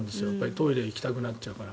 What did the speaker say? トイレに行きたくなっちゃうから。